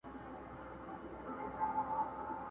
چي لیک دي د جانان کوڅې ته نه دی رسېدلی!!..